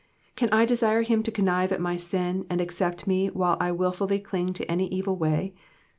Can I desire him to connive at my sin, and accept me while I wilfully cling to any evil way